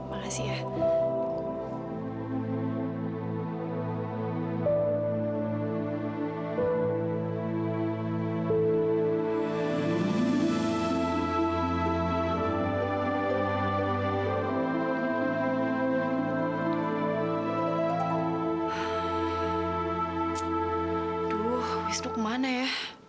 aduh wisnu kemana ya